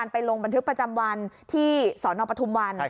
ไปลงบันทึกประจำวันที่สนปทุมวัน